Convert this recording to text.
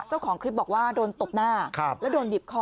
เจ้าของคลิปบอกว่าโดนตบหน้าแล้วโดนบีบคอ